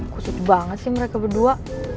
kusut banget sih mereka berdua